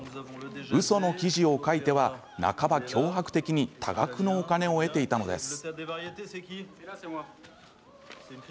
うその記事を書いては半ば脅迫的に多額のお金を得ていたのです。